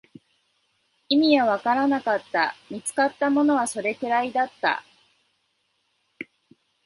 意味はわからなかった、見つかったものはそれくらいだった